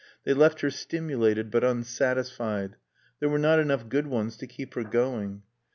They left her stimulated but unsatisfied. There were not enough good ones to keep her going.